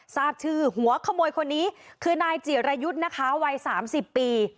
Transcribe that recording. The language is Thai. ทราบชื่อหัวขโมยคนนี้คือนายจิรยุทธ์นะคะวัย๓๐ปี